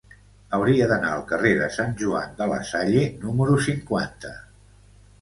Hauria d'anar al carrer de Sant Joan de la Salle número cinquanta.